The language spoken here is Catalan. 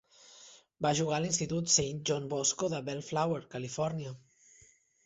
Va jugar a l'institut Saint John Bosco de Bellflower, Califòrnia.